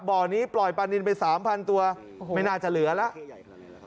บ่อนี้ปล่อยปลานินไป๓๐๐ตัวไม่น่าจะเหลือแล้ว